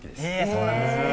そうなんですね。